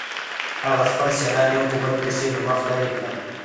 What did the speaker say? هغه خپل سیالان یو په بل پسې له مخې لرې کړل